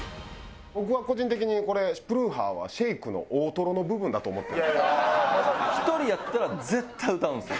僕は個人的にこれ「プルーハー」は『ＳＨＡＫＥ』の大トロの部分だと思ってますから。